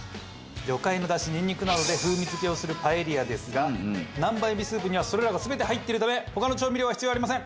魚介のダシニンニクなどで風味付けをするパエリアですが南蛮えびスープにはそれらが全て入っているため他の調味料は必要ありません。